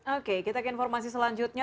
oke kita ke informasi selanjutnya